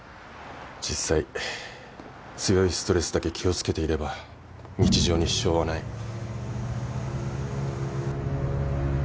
実際強いストレスだけ気を付けていれば日常に支障はない。